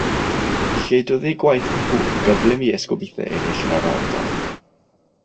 Lledodd eu gwaith nhw'n gyflym i esgobaethau eraill yn yr ardal.